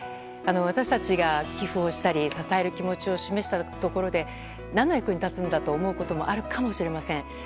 私たちが寄付をしたり支える気持ちを示したところで何の役に立つんだと思うこともあるかもしれません。